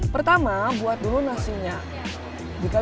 pertama buat dulu nasinya